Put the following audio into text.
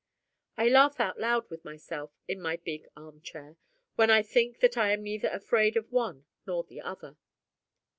I laugh out loud with myself, in my big armchair, when I think that I am neither afraid of one nor the other.